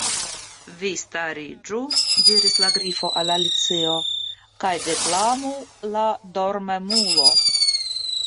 "Vi stariĝu," diris la Grifo al Alicio, "kaj deklamu ' la Dormemulo.'"